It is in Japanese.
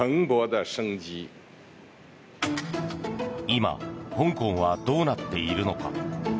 今、香港はどうなっているのか。